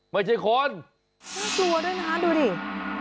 ไม่ใช่คนน่ากลัวด้วยนะคะดูดิ